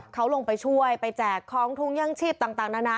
เขาลงไปช่วยไปแจกของถุงยังชีพต่างนานา